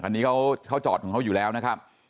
อันนี้เขาจอดของเขาอยู่แล้วนะครับ